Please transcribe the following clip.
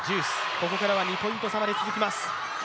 ここからは２ポイント差まで続きます。